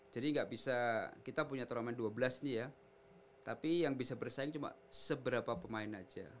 jadi nggak bisa kita punya turnamen dua belas nih ya tapi yang bisa bersaing cuma seberapa pemain aja